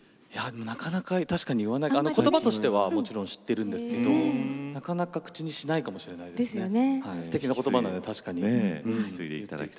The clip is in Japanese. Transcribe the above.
なかなか言わない言葉としてはもちろん知ってるんですけどなかなか口にしないかもしれないですね。